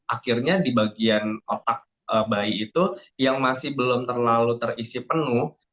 akhirnya di bagian otak bayi itu yang masih belum terlalu terisi penuh